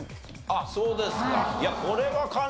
あっそうですか。